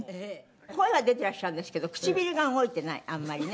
声は出てらっしゃるんですけど唇が動いてないあんまりね。